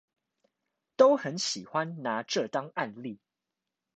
都很喜歡拿這當案例